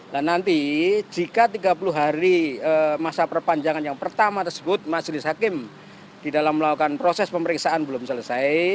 dan nanti jika tiga puluh hari masa perpanjangan yang pertama tersebut mas jisaki di dalam melakukan proses pemeriksaan belum selesai